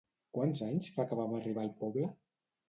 Quants anys fa que vam arribar al poble?